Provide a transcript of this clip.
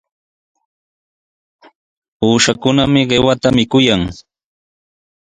Uushakunami qiwata mikuykan.